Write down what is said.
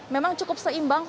memang cukup seimbang